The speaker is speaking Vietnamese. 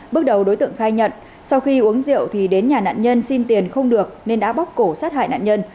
bước đầu đối tượng khai nhận sau khi uống rượu thì đến nhà nạn nhân xin tiền không được nên đã bóc cổ sát hại nạn nhân